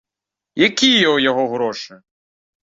Якія ў яго грошы?